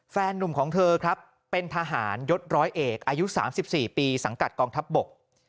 นุ่มของเธอครับเป็นทหารยศร้อยเอกอายุ๓๔ปีสังกัดกองทัพบก